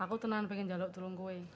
aku tenang pengen jalan dulu